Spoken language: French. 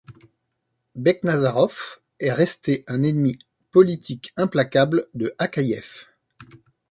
Beknazarov est resté un ennemi politique implacable de Akaïev.